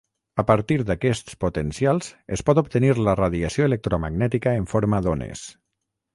A partir d'aquests potencials es pot obtenir la radiació electromagnètica en forma d'ones.